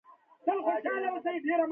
د زندان ډبله دروازه وچونګېده.